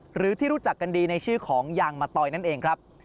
หรือที่รู้จักกันดีในชื่อของยางมะตอยนั่นเองครับ